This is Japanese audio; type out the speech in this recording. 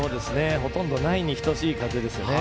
ほとんどないに等しい風ですね。